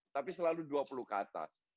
tapi selalu dua puluh ke atas